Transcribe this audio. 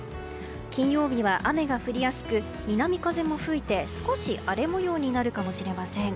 金曜日は雨が降りやすく南風も吹いて少し荒れ模様になるかもしれません。